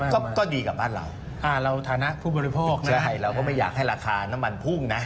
ก็ดีกับบ้านเราเราฐานะผู้บริโภคในไทยเราก็ไม่อยากให้ราคาน้ำมันพุ่งนะ